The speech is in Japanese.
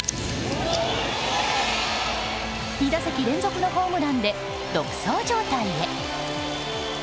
２打席連続ホームランで独走状態へ。